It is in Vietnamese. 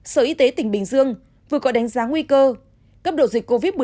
sở y tế tỉnh bình dương vừa có đánh giá nguy cơ cấp độ dịch covid một mươi chín